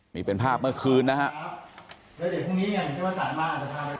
มีเป็นภาพเมื่อคืนนะครับ